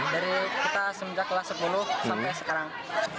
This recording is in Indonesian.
dari kita semenjak kelas sepuluh sampai sekarang